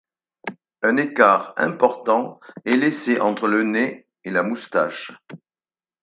Un écart important est laissé entre le nez et la moustache.